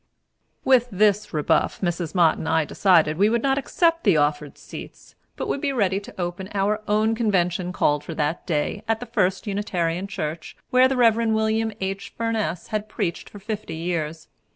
With this rebuff, Mrs. Mott and I decided that we would not accept the offered seats, but would be ready to open our own convention called for that day, at the First Unitarian church, where the Rev. William H. Furness had preached for fifty years.